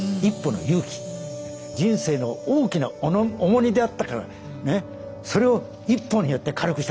人生の大きな重荷であったからそれを一歩によって軽くしたんですね。